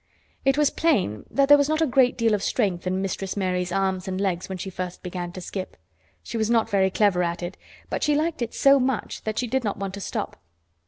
'" It was plain that there was not a great deal of strength in Mistress Mary's arms and legs when she first began to skip. She was not very clever at it, but she liked it so much that she did not want to stop.